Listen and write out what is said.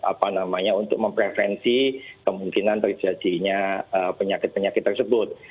apa namanya untuk memprevensi kemungkinan terjadinya penyakit penyakit tersebut